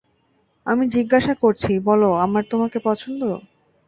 আমি জিজ্ঞাসা করছি, বলো আমার তোমাকে পছন্দ।